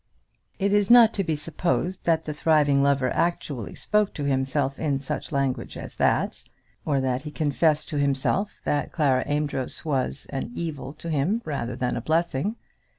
It is not to be supposed that the thriving lover actually spoke to himself in such language as that, or that he confessed to himself that Clara Amedroz was an evil to him rather than a blessing.